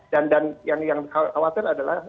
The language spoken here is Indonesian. dan yang dikhawatir adalah